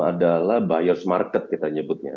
adalah buyer s market kita sebutnya